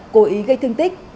cố ý gây thương tích